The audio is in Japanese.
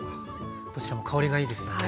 どちらも香りがいいですよね。